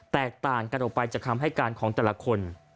แตกต่างกันออกไปจากคำให้การของแต่ละคน